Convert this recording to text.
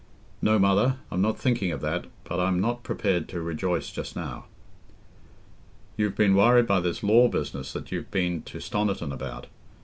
"No, Mother, I'm not thinking of that; but I'm not prepared to rejoice just now." "You've been worried by this law business that you've been to Stoniton about.